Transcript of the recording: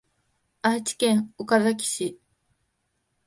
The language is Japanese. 愛知県岡崎市